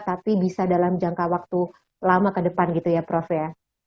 tapi bisa dalam jangka waktu lama ke depan gitu ya prof ya